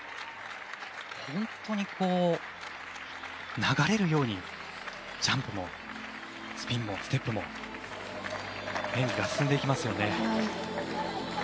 本当に流れるようにジャンプもスピンもステップも演技が進んでいきます。